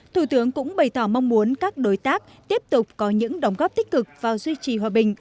thủ tướng cũng bày tỏ mong muốn các đối tác tiếp tục có những đóng góp tích cực vào duy trì hòa bình